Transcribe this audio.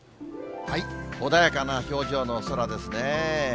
穏やかな表情の空ですね。